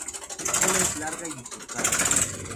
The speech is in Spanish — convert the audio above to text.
Su cola es larga y bifurcada.